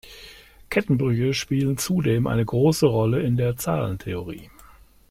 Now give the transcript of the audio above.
Kettenbrüche spielen zudem eine große Rolle in der Zahlentheorie.